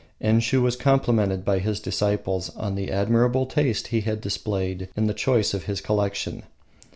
Enshiu was complimented by his disciples on the admirable taste he had displayed in the choice of his collection.